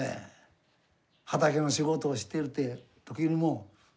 畑の仕事をしているという時にも。